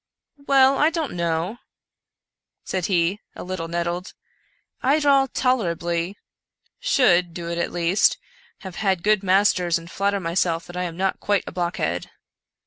" Well, I don't know," said he, a httle nettled, " I draw tolerably — should do it at least — have had good masters, and flatter myself that I am not quite a blockhead."